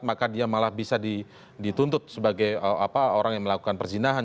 maka dia malah bisa dituntut sebagai orang yang melakukan perzinahan